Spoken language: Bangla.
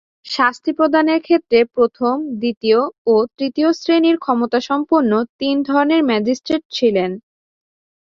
শাস্তি প্রদানের ক্ষেত্রে প্রথম, দ্বিতীয় ও তৃতীয় শ্রেণির ক্ষমতাসম্পন্ন তিন ধরনের ম্যাজিস্ট্রেট ছিলেন।